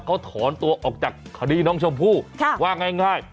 เขาถอนตัวออกจากคดีน้องชมพู่ว่าง่าย